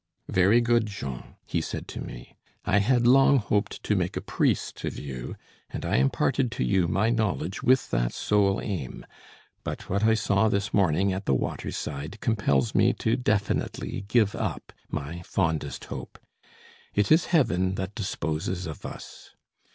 "Very good, Jean," he said to me. "I had long hoped to make a priest of you, and I imparted to you my knowledge with that sole aim. But what I saw this morning at the waterside compels me to definitely give up my fondest hope. It is Heaven that disposes of us.